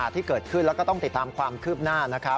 ที่เกิดขึ้นแล้วก็ต้องติดตามความคืบหน้า